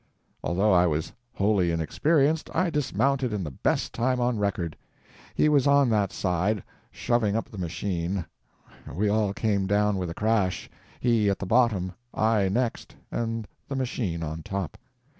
Although I was wholly inexperienced, I dismounted in the best time on record. He was on that side, shoving up the machine; we all came down with a crash, he at the bottom, I next, and the machine on top.